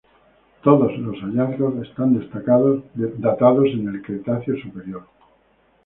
Todos los hallazgos están datados en el Cretáceo Superior.